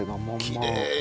きれいに。